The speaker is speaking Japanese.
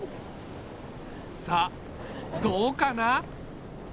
さあどうかな？